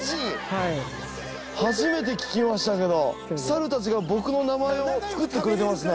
はい初めて聞きましたけどサルたちが僕の名前を仲よく食べられるから作ってくれてますね